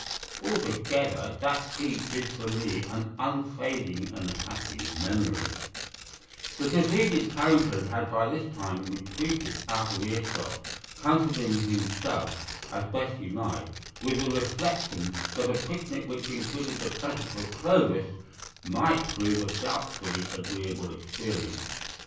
Altogether, that peach is for me an unfading and happy memory—" The defeated Tarrington had by this time retreated out of ear shot, comforting himself as best he might with the reflection that a picnic which included the presence of Clovis might prove a doubtfully agreeable experience.